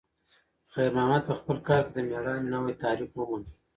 خیر محمد په خپل کار کې د میړانې نوی تعریف وموند.